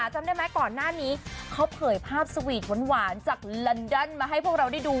จำได้ไหมก่อนหน้านี้เขาเผยภาพสวีทหวานจากลอนดอนมาให้พวกเราได้ดู